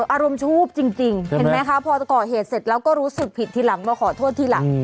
อารมณ์ชวบจริงเห็นไหมคะพอจะก่อเหตุเสร็จแล้วก็รู้สึกผิดทีหลังมาขอโทษทีหลัง